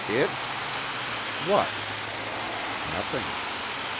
It? What? Nothing.